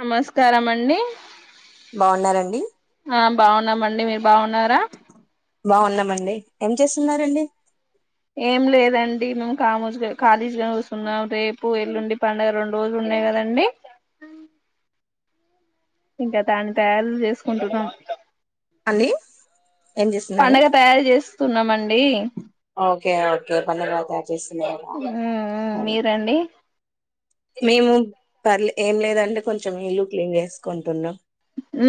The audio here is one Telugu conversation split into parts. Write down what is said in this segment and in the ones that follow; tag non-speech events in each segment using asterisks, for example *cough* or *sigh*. నమస్కారం అండి బాగున్నారంండి ఆ బాగున్నామండి మీరు బాగున్నారా ఏం చేస్తున్నారండి ఏం లేదండి మేము కామోజ కాలేజీలా కూసున్నం రేపు ఎల్లుండి పండడుగ రెండు రోజులుం న్నాయి కదండి *unintelligible* ఇంకా దాన్ని తయారుీ చేసుకుంటున్నాం అనీ ఏం చేస్తున్నారు ఓకే ఓకే పన్యవాదస్తున్నారు ఉ మీరండి మేము పర్లే ఏం లేదంది కొంచెం ఇల్లు క్లీన్ చేసుకుంటున్నాం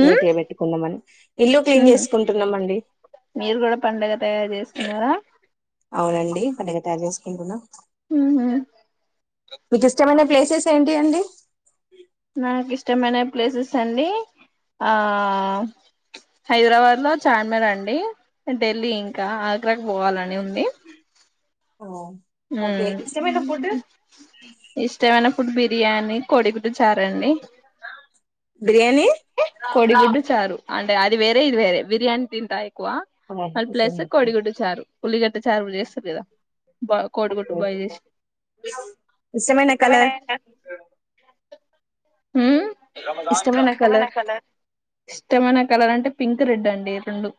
నీట్గా పెట్టుకుందామని ఇల్లు క్లీన్ చేసుకుంటున్నాంండి మీరు కూడా పండగ తయారు చేస్తున్నారా అవునండి పండగ తయారు చేసుకుంటున్నా మీకు ఇష్టమైన ప్లేసెస్ ఏంటి అండి నాకు ఇష్టమైన ప్లేసెస్ అండి ఆ హైదరాబాద్ లో చాార్మల అండి ఢిల్లీ ఇంకా ఆగ్రాకు పోవాలని ఉంది హ ఇష్టేమనా ఫుడ్ బి బిర్యానీ కోడిగుడ్డు చారండి కోడిగుడ్డు చారు అంటే అది వేరే ఇది వేరే బిర్యానీి తింతాయి తక్కువ మళ్ ప లేస్తే కొడిగుడ్డు చారు ఉల్లిగడ్డ చారు చేస్తారు కదా బ కోడికుట్ బాయజస్ ష్ట కలర్ ఇష్టమైన కలర్ అంటే పింక్ రెడ్ అండి రెండు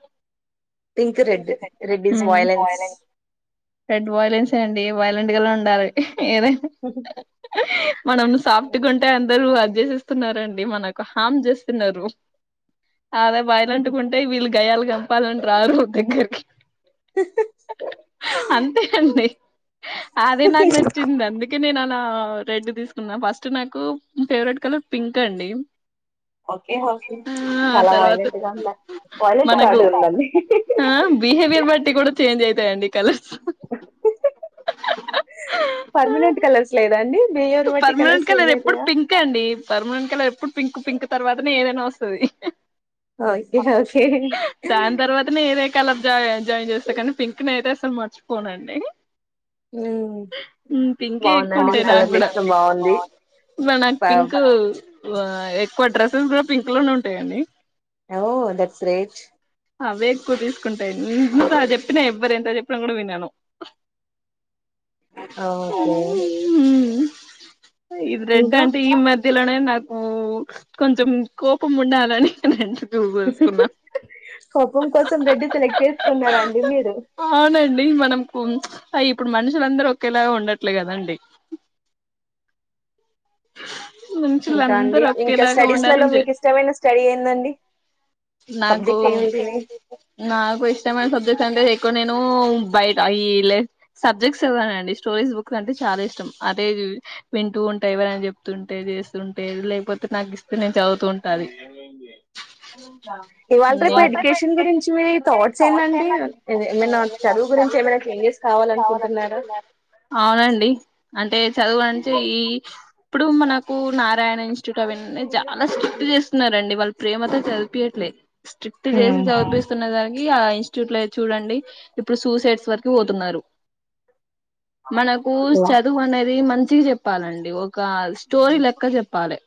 రెడ్ వైలన్స్ అండి వైలెంట్ గ ఉ ఉండాలి ఏద మనం సాఫ్ట్గా ఉంటే అంతే అందరు అద్యసిస్తున్నారండి మనకు హారమ్ చేస్తున్నారు అదే బయలు అంటుకుంటే వీళ్ళు గయ్యాలు గంపాలని రారు దగ్గరికి హా అంతే అండి అదే నాకు నచ్చింది అందుకే నేను అలా రెడ్ తీసుకున్నా ఫస్ట్ నాకు ఫేవరెట్ కలర్ పింక్ అండి ఓకే హఫ చాలా వైలెంట్ మనకు బిహేవియర్ బట్టి కూడా చేంజ్ అవుతాయండి కలర్స్ పర్మనెంట్ కలర్స్ లేదా అండి పర్మనెంట్ గా నేనెప్పుడు పింకే అండి పర్మనెంట్ కలర్ ఎప్పుడు పింక్ పింక్ తర్వాతనే ఏదైనా వస్తుంది ఓకే ఓకే కలర్ జా జాయ్ చేస్తే కానీ పింక్ ని అయితే అసలు మర్చిపోనండి పింకే ఎక్కువుంటాయి నాకు కూడా మనక్ పింకు ఎక్కువ డ్రెస్సెస్ కూడా పింక్ లోనే ఉంటాయాండి ఓ దట్స్ గ్రేట్ ఆవే ఎక్కువ తీసుకుంటాయి ఇంత చెప్పినా ఎవ్వరు ఎంత చెప్పినా కూడా వినను ఆ ఓకే ఇది రెడ్ అంటే ఈ మధ్య ఇందులోనే నాకు కొంచెం కోపం ఉండాలని అంటు గులుసుకున్నా కోపం కోసం రెడ్డి సెలెక్ట్ చేసుకున్నరాండి మీరు ఇప్పుడు మనుషులందరూ ఒకేలాగా ఉండట్లే కదండి మనుషులందరూ అందరూ ఒకేలాగా ఉండాలని నాకు నాకు ఇష్టమైన సబ్జెక్ట్ అంటే ఇ నేను బయట ఈ సబ్జెక్ట్స్ చదవనండి స్టోరీస్ బుక్ అంటే చాలా ఇష్టం అదే వింటూ ఉంటాయి ఎవరని చెప్తుంటే చేస్తుంటే లేకపోతే నాకు ఇస్తే నేను చదువు అ ఇవాళ రేపు ఎడ్యుకేషన్ గురించి మీ థాట్స్ ఏందండి ఏమైనా చదువు గురించి ఏమైనా చేంజెస్ కావాలనుకుంటున్నారా అవునండి అంటే చదువుంచి ఈ ఇప్పుడు మనకు నారాయణ ఇన్స్టిట్యూట్ అవన్నీ చాలా స్ట్రిక్ట్ చేస్తున్నారండి వాళ్ళ ప్రేమతో చదివిపియట్లేదు స్ట్రిక్ట్ చేసి చదివిపిస్తున్నదా ఆ ఇన్స్టిట్యూట్ లోయితే చూడండి ఇప్పుడు సూసైడ్స్ వరకు పోతున్నారు మనకు చదువు అనేది మంచిగా చెప్పాలండి ఓ ఒక స్టోరీ లెక్క చెప్పాలి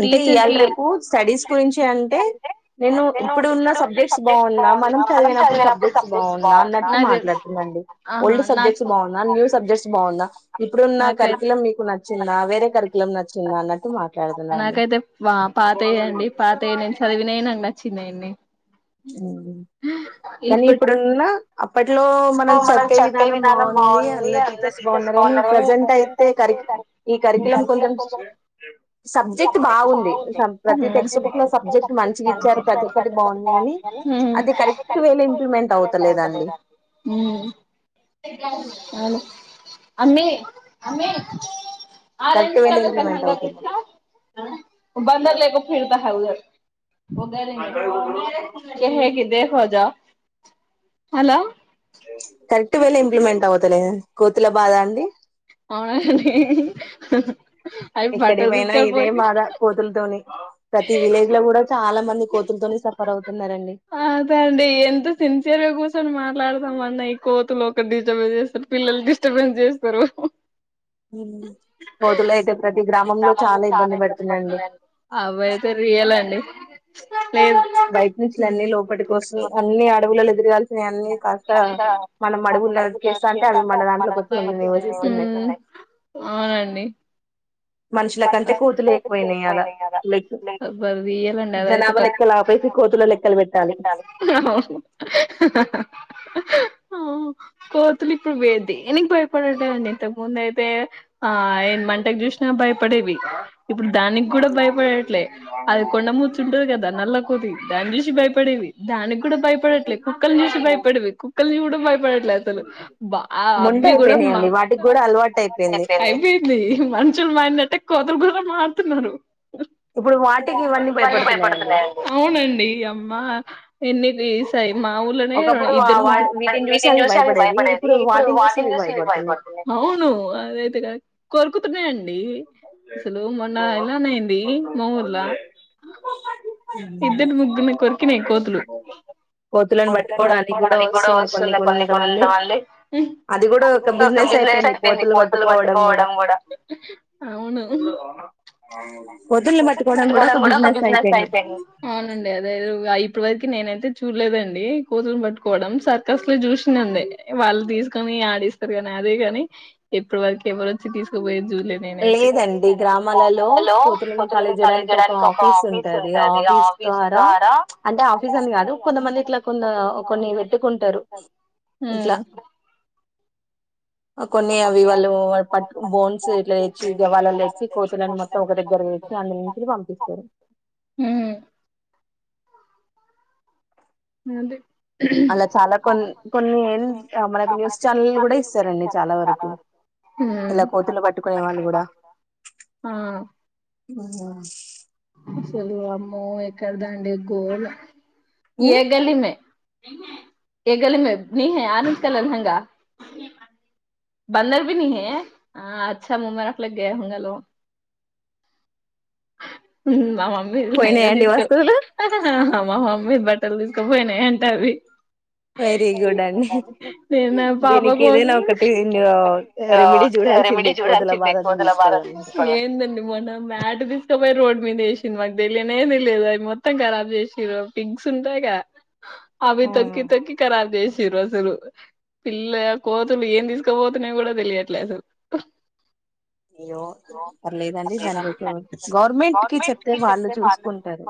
అంటే ఇయ్యాలి రేపు స్టడీస్ గురించి అంటే నేను ఇప్పుడు ఉన్న సబ్జెక్ట్స్ బాగున్నా మనం చదివినప్పుడు సబ్జెక్ట్స్ బాగుందా అన్నట్టు మాట్లాడుతున్నా ఓల్డ్ సబ్జెక్ట్స్ బాగుందా న్యూ సబ్జెక్ట్స్ బాగుందా ఇప్పుడున్న కరికులం మీకు నచ్చిందా వేరే కరీకులం నచ్చిందా నచ్చ నాకైతే పాతయండి పాతయ నేను చదివిననా నచ్చిందండి కానీ ఇప్పుడున్న అప్పట్లో మనం చదివే విధానం బాగుంది అందరు టీచర్స్ బాగున్నారు కానీ ప్రజెంట్ అయితే కరికు ఈ కరికులం కొంచెం సబ్జెక్ట్ బాగుంది ప్రతి టెక్స్ట్ బుక్ లో సబ్జెక్ట్ మంచిగా ఇచ్చారు ప్రతి ఒక్కటి బాగుంది అని అది కరెక్ట్ వేలే ఇంప్లిమెంట్ అవతలేదండి ఉ అ అమ్మీ అమ్మీ ఆరెంజ కలర్ కహంగా తీికా బందరులేకు ఫిరత ఉధర దోజా హలా కరెక్ట్ వేళ ఇంప్లిమెంట్ అవ్వతలేదు కోతుల బాధ అండి అవున అండి అయి బట్టల్ దిస్కపోతె ప్రతి విలేజ్ ల గూడ చాలా మంది కోతులతోని సఫర్ అవుత్ అదే అండి ఎంత సిన్సియర్ గ కూసోని మాట్లాడు మన్నాయి కోతులొక డిస్టర్బెన్స్ చేస్తరు పిల్లలు డిస్టర్బెన్స్ జేస్తరు అవ్వైతే రి రియలండి బైట్నుంచి లన్నీ లోపటి కోసి అన్ని అడవులళ్ళ తిరగాల్సినయన్ని కాస్త మనం అడవుళ్లకేస్తాన్ ఉమ్ అవునండి అబ్బ రియలండి అదైతె కచ్ అవును ఆ కోతులిప్పుడు వే దేనికి భయపడట్లేదండీ, ఇంతకు ముందయితే ఆ అయిన్ మంటకు జూసినా భయపడేవి ఇప్పుడు దానిగ్గుడా భయపడేట్లే అది కొండ మూచ్చు ఉంటుది గదా నల్లకోతి దాన్నీ జూసి భయపడేవి దానిగ్గుడ భయపడట్లే, కుక్కలు జూసి భయపడేవి కుక్కల్ని కూడా భయపడట్లే అసలు బా అవ్వి గుడా మా అయిపైన్ ది మనుషులు మారినట్టే కోతులు గూడ మారుతున్నరు అవునండి ఇఅమ్మ ఎన్ని మి సై మా ఊళ్ళనే రో ఇద్దరు ముగ్గురు అవును అదైతేగ కొరుకుతున్నయంండి అసలు మొన్న ఇలానేఐంది మా ఊర్లా ఇద్దర్ ముగ్గుర్ని కొరికినయి కోతులు కోతులన్ బట్టుకోవడానిగ్గుడా వస్తున్నరు కొన్ని కొంతమంది అది గూడ ఒక బిజినెస్ అయిపోయింది కోతుల్ని పట్టుకోవడం గుడా అవును అవునండి అదే అయి ఇప్పటి వరకు నేనైతే చూడలేదండి కోతులు పట్టుకోవడం సర్కస్ చూస్నా వుండే, వాళ్ళు తీసుకొని ఆడిస్తరు గనీ అదేగని ఇప్పటి వరకెవరోచ్చి తీసుకపోయేద్ జూడ్ల లె నేనైతే టది ఆఫీస్ ద్వారా అంటే ఆఫీస్ అని గాదు కొంతమంది ఇట్ల కొంత కొన్ని బెట్టుకుంటరు ఉమ్ కొన్ని అవి వాళ్ళు పట్టు బోన్స్ తెచ్చి గ వాళల్దేచ్చి కోతులను మొత్తం ఒక దగ్గరకు తెచ్చి అందుల్ నుంచి పంపిస్తరు *unintelligible* అ అంటె అళ్ళ చాలా కొన్ కొన్ని మనకు న్యూస్ ఛానల్ గుడా ఇస్తారండి చాలా వరకు ఇలా కోతుల్నీ పట్టుకునే వాళ్ళు గుడా చలు అమ్మో ఎక్కడ్దాండి గోల, ఏ గల నహ ఆనంత క లహంగా బందర భ ని హ అచ్చ ముమ్ై రపులే గయా హంగా లో ఉమ్ హ్ ఆమ్ లంగల్ తీసుకో మ మమ్మీ బట్టలు దీసుకోపోయినయి అంట అవి నేన్ నా పాపా కోసమే ఏందండి మొన్న మ్యాట్ తీసుకోపోయి రోడ్ మీద ఏసింది మాకు తెలియనే తెలియద్ అవి మొత్తం ఖరాబ్ చేసిర్రు పిగ్స్ ఉంటయి గా అవి తొక్కి తొక్కి ఖరాబ్ చేసిర్రసలు పిల్ల, కోతులు ఏందిస్క్ కపోతున్నాయో గూడ తెలియట్లే అసలు అయ్యో పర్లేదండి దానికి ఒక గవర్నమెంట్ కి చెప్తే వాళ్ళు చూసుకుంటరు.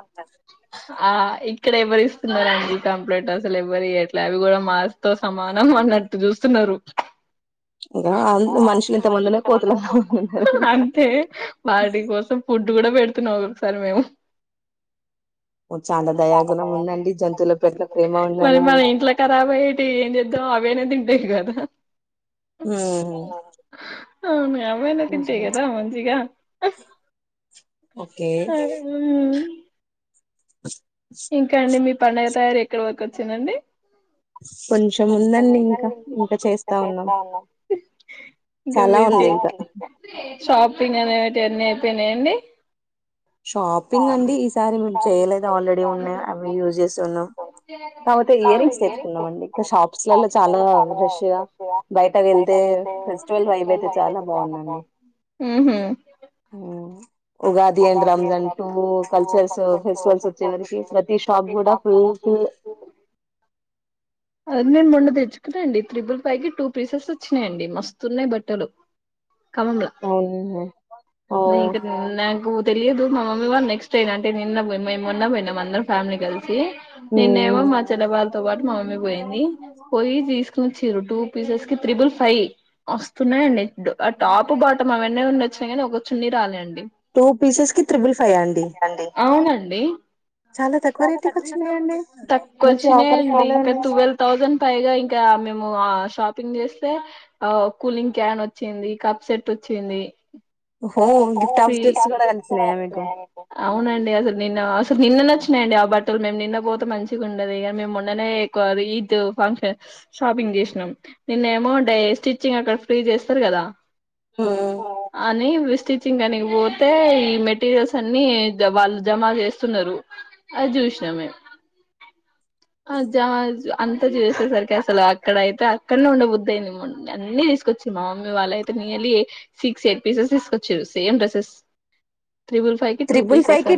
ఆ ఇ ఇక్కడ ఎవరు ఇస్తున్నారుండి కంప్లీట్ అసలు ఎవరీ అట్లా అవి కూడా మాస్ తో సమానం అన్నట్టు చూస్తున్నారు రు అ మనుషులు అంతే వాటి కోసం ఫుడ్ కూడా పెడుతున్నాం ఒక్కొక్కసారి మేము మరి మన ఇంట్లో కరాబ్ అయ్యేటి ఏం చేద్దాం అవేనే త ఏం కాద ఉహూ అవును అవ్వైనా తింటయి కదా మంచిగా అ ఇంకా అండి మీ పండుగ తయారీ ఎక్కడ వరకు వచ్చిందండి కొంచెం ఇంకా ఇంకా చేస్తా ఉన్నాం ఇంకా మీర్జ షాపింగ్ అనేవిటివన్నీ అయిపోయినాయండి షాపింగ్ అండి ఈసారి మేము చేయలేదు ఆల్రెడీ ఉన్నాయి అవి యూజ్ చేసి ఉన్నాం కాకపోతే ఇయర్ రింగ్స్ తెచ్చుకున్నాం అండి ఇకా షాప్స్లలో చాలా రష్గా బయట వెళ్తే ఫెస్టివల్ వైబ్ అయితే చాలా బాగుందండి ఉహూ ఓ ఉగాది అండ్ రంజాన్ అంటూ కల్చర్ల్స్ ఫెస్టివల్స్ వచ్చేవరికి ప్రతి షాప్ కూడా ఫుల్ ఫిల్ అదిను మొన్న తెచ్చు దండి త్రిబుల్ ఫైవ్ కి టూ పీసెస్ వచ్చినాయండి మస్తున్నాయి బట్టలు ఖమ్మంల నేను ఇంకా లేదు మ మామ్మీ వా నెస్ట్ టైమ్ అంట అ నిన్న పో మేము మొన్న పోయినాం అందరు ఫ్యామిలీ కలిసి నిన్నేమో మా చెల్లె వాళ్ళతో పాటు మా మమ్మీ పోయింది పోయి తీసుకోచిరు టు పీసెస్ కి త్రిబుల్ ఫైవ్ మస్తున్నాయండి ఆ టాప్ బాటమ్ అవన్న ఉండొచ్చు ఒక చున్నీ రాలేండి అవునండి తక్కువ వచ్చినా అండి ఇంకా ట్వెల్వ్ థౌసండ్ పైగా ఇంకా మేము ఆ షాపింగ్ చేస్తే ఆ కూలింగ్ క్యాన్ వచ్చింది కప్ సెట్ వచ్చింది హ ఓ గిఫ్ట్ హౌస్టెస్ అవునండి అసలు నిన్న అసలు నిన్న నచ్చినయియండి ఆ బట్టలు మేము నిన్న పోతే మంచిగా ఉండదు కానీ మేము మొన్ననే ఎక్కువ ఈద్ ఫంక్షన్ షాపింగ్ చేసినాం నిన్న ఏమో అంటే స్టిచ్చింగ్ అక్కడ ఫ్రీ చేస్తారు కదా అని స్టిచ్చింగ్ కనికి పోతే మెటీరియల్స్ అన్ని వాళ్ళు జమ చేస్తున్నారు అది చూసినాము మేము ఆ జమజ్ అంతా చూసేసరికి అసలు అక్కడ అయితే అక్కడనే ఉండ బుద్దు అయిందిమ్మండి అన్ని తీసుకొచ్చ మా మమ్మీ వాళ్ళయితే నియర్లీ సిక్స్ ఎయిట్ పీసెస్ తీసుకొచ్చారు సేమ్డ్రస్సెస్ త్రిబుల్ ఫైవ్ కి టూ పీసెస్ అ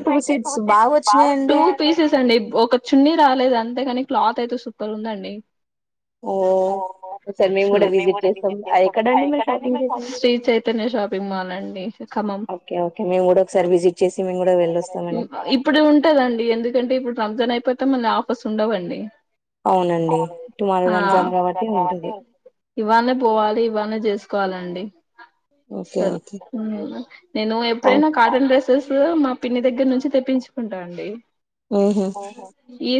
టూ పీసెస్ అండి ఒక చున్నీ రాలేదు అంతేగాని క్లాత్ అయితే సూపర్ ఉందండి ఓహో శ్రీ చైతన్య షాపింగ్ మాల్ ఖమ్మం ఇప్పుడు ఉంటదండి ఎందుకంటే ఇప్పుడు రంజాన్ అయిపో పోతే మళ్ళ ఆఫర్స్ ఉండవండి ఇవ్వాల్నే పోవాలి ఇవాళ్లే చేసుకోవాలి కోవాలండి అసలు నేను ఎప్పుడైనా కాటన్ డ్రెస్ మా పిన్ని దగ్గర నుంచి తెప్పించుకుంటాండి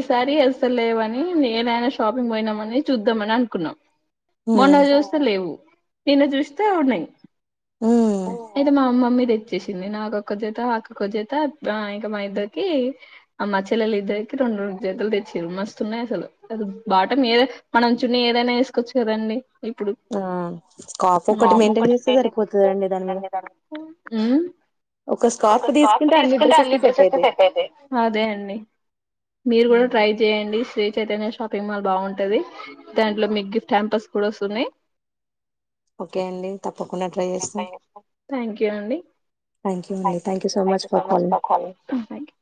సర అసలు లేవని నేనైనా షాపింగ్ పోయినామని చూద్దామ అని అనుకున్నాం మొన్న చూస్తే లేవు నిన్న చూస్తే అవున్నాయి అయితే మా మమ్మీ వచ్చేసింది నాకొక్క చేత ఆక్కొక్క చేత ఇంకా మా ఇద్దరికి మ చెల్లెలి ఇద్దరికి రడు రెండు చేతులు తెచ్చారు మస్తున్నాయి అసలు అ బాటం ఏద మనం చున్న ఏదైనా వేసుకోవచ్చు కదండి ఇప్పుడుటి పెయిధదా ఒక స్కాప్ తీసుకుంటే అన్ని డ్రెస్ెట్ అవుతాయి అదే అండి మీరు కూడా ట్రై చేయండి స్ీ చైతన్య షాపింగ్ మాల్ బాగుంటది దాంట్లో మిగ్ గిఫ్ట్ క్యాంపస్ కూడా వస్తున్నాయి థ్యాంక్ యూ అండి థ్యాంక్ యూ అడి thank you so much for కాలంగ్